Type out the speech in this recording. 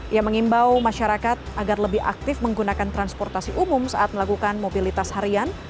ia mengimbau masyarakat agar lebih aktif menggunakan transportasi umum saat melakukan mobilitas harian